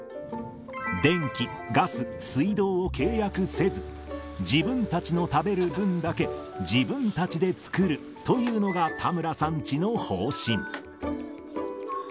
電気、ガス、水道を契約せず、自分たちの食べる分だけ、自分たちで作るというのが田村さんチの方針。